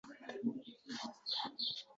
Keyin maktab, keyin institut